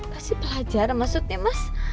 kasih pelajaran maksudnya mas